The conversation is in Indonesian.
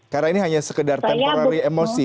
karena ini hanya sekedar temporary emosi ya